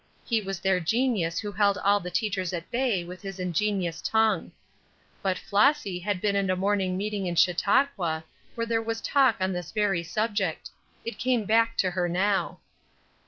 He was their genius who held all the teachers at bay with his ingenious tongue. But Flossy had been at a morning meeting in Chautauqua where there was talk on this very subject. It came back to her now.